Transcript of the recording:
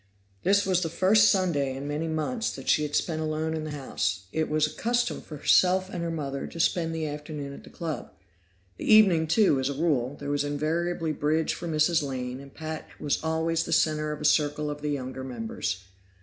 This was the first Sunday in many months that she had spent alone in the house; it was a custom for herself and her mother to spend the afternoon at the club. The evening too, as a rule; there was invariably bridge for Mrs. Lane, and Pat was always the center of a circle of the younger members.